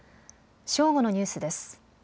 正午のニュースです。